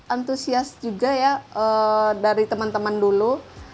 antusias juga ya dari teman teman dulu